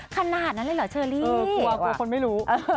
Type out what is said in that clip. ขนาดนั้นเลยเหรอเชอรี่กลัวกลัวคนไม่รู้